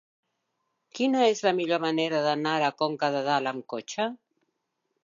Quina és la millor manera d'anar a Conca de Dalt amb cotxe?